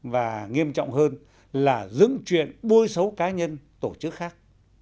và nghiêm trọng hơn là dẫn chuyện bôi xấu cá nhân tổ chức khác